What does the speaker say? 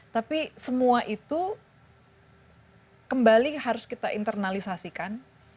tapi semua itu kembali harus kita internalisasikan